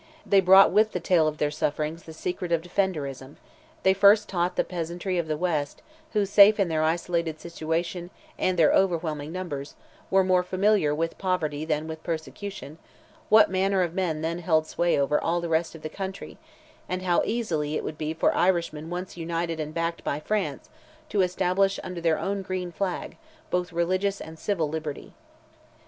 They brought with the tale of their sufferings the secret of Defenderism; they first taught the peasantry of the West, who, safe in their isolated situation and their overwhelming numbers, were more familiar with poverty than with persecution, what manner of men then held sway over all the rest of the country, and how easily it would be for Irishmen once united and backed by France, to establish under their own green flag, both religious and civil liberty.